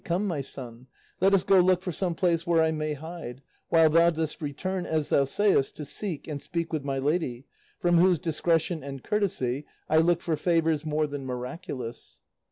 Come, my son, let us go look for some place where I may hide, while thou dost return, as thou sayest, to seek, and speak with my lady, from whose discretion and courtesy I look for favours more than miraculous."